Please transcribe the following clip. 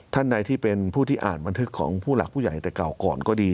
ท่านใดที่เป็นผู้ที่อ่านบันทึกของผู้หลักผู้ใหญ่แต่เก่าก่อนก็ดี